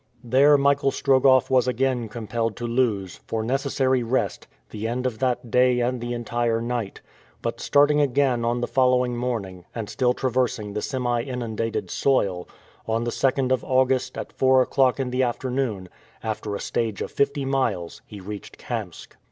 There Michael Strogoff was again compelled to lose, for necessary rest, the end of that day and the entire night; but starting again on the following morning, and still traversing the semi inundated soil, on the 2nd of August, at four o'clock in the afternoon, after a stage of fifty miles he reached Kamsk.